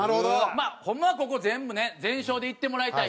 まあホンマはここ全部ね全勝でいってもらいたいけども。